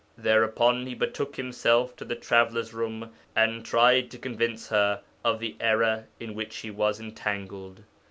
Thereupon he betook himself to the traveller's room, and tried to convince her of the error in which she was entangled.